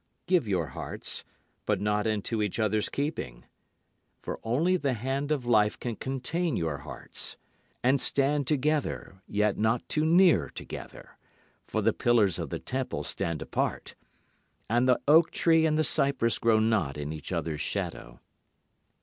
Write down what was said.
Give your hearts, but not into each other's keeping. For only the hand of Life can contain your hearts. And stand together yet not too near together: For the pillars of the temple stand apart, And the oak tree and the cypress grow not in each other's shadow.